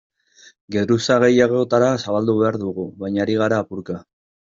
Geruza gehiagotara zabaldu behar dugu, baina ari gara apurka.